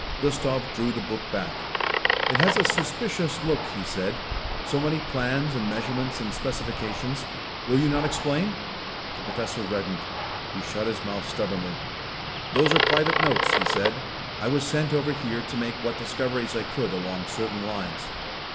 Gustav drew the book back. "It has a suspicious look," he said. "So many plans and measurements and specifications. Will you not explain?" The Professor reddened. He shut his mouth stubbornly. "Those are private notes," he said. "I was sent over here to make what discoveries I could along certain lines."